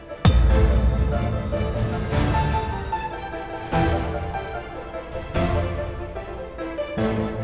aku mau mencoba